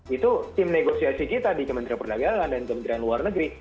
itu tim negosiasi kita di kementerian perdagangan dan kementerian luar negeri